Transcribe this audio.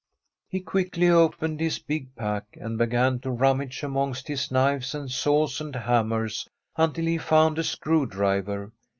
He quickly opened his big pack, and began to rummage amongst his knives and saws and hammers until he found a screw driver.